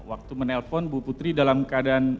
waktu menelpon bu putri dalam keadaan